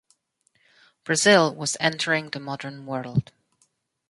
Brazil was entering the modern world.